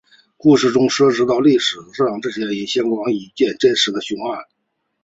故事中涉及到历史上与这些人相关的一件真实凶杀案。